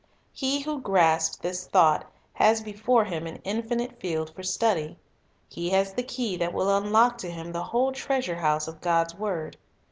1 He who grasps this thought has before him an infi nite field for study. He has the key that will unlock to him the whole treasure house of God's word.